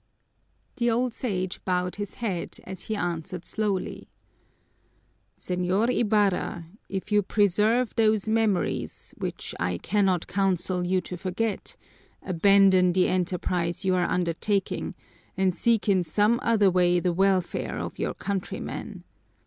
The old Sage bowed his head as he answered slowly: "Señor Ibarra, if you preserve those memories, which I cannot counsel you to forget, abandon the enterprise you are undertaking and seek in some other way the welfare of your countrymen.